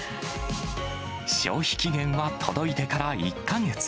消費期限は届いてから１か月。